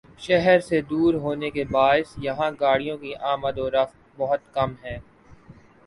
شہر سے دور ہونے کے باعث یہاں گاڑیوں کی آمدورفت بہت کم ہے